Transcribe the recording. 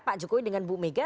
pak jokowi dengan bu mega